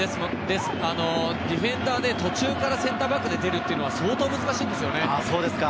ディフェンダーで途中からセンターバックで出るっていうのは相当難しいんですよね。